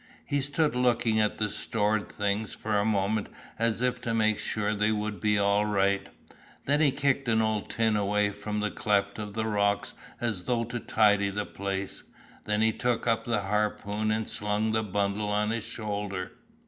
He stood looking at the stored things for a moment as if to make sure they would be all right, then he kicked an old tin away into a cleft of the rocks as though to tidy the place, then he took up the harpoon and slung the bundle on his shoulder.